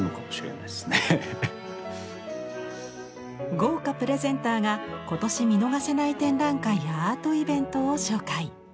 豪華プレゼンターが今年見逃せない展覧会やアートイベントを紹介。